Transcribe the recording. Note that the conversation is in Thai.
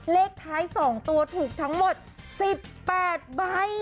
เลขท้าย๒ตัวถูกทั้งหมด๑๘ใบ